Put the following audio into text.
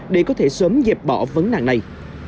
để có thể sớm dẹp bỏ vấn nạn này